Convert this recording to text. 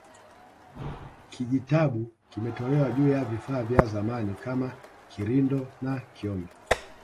Kijitabu kimetolewa juu ya vifaa vya zamani kama kirindo na kyome